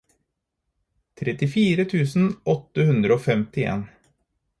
trettifire tusen åtte hundre og femtien